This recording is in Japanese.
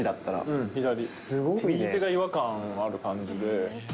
右手が違和感ある感じで。